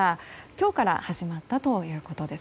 今日から始まったということです。